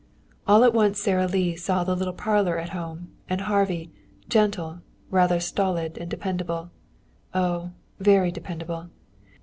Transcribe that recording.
All at once Sara Lee saw the little parlor at home, and Harvey, gentle, rather stolid and dependable. Oh, very dependable.